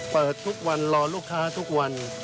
เปิดทุกวันรอลูกค้าทุกวัน